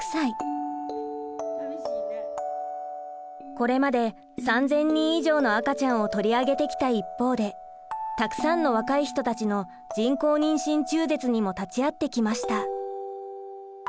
これまで３０００人以上の赤ちゃんを取り上げてきた一方でたくさんの若い人たちの人工妊娠中絶にも立ち会ってきました。